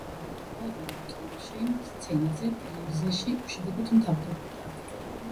მცდელობა მიეღო როლი კინოში, სცენაზე, ტელევიზიაში უშედეგოდ მთავრდებოდა.